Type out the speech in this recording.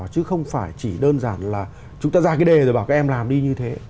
chứ không phải chỉ đơn giản là chúng ta ra cái đề rồi bảo các em làm đi như thế